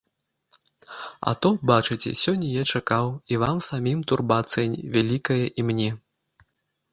А то, бачыце, сёння я чакаў, і вам самім турбацыя вялікая і мне.